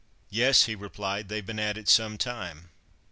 "Yes," he replied; "they've been at it some time!"